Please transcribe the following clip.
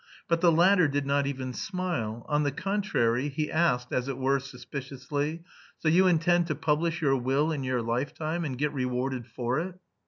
But the latter did not even smile, on the contrary, he asked, as it were, suspiciously: "So you intend to publish your will in your lifetime and get rewarded for it?"